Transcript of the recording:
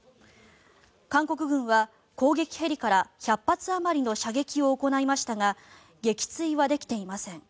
韓国軍は攻撃ヘリから１００発あまりの射撃を行いましたが撃墜はできていません。